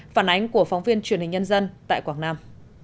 phản ánh của phóng viên truyền hình nhân dân tại quảng nam